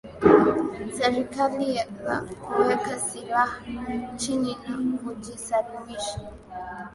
serikali la kuweka silaha chini na kujisalimisha